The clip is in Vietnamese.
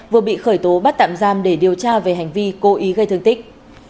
vừa bị khởi tố bắt tạm giam để điều tra về hành vi cố ý gây thương tích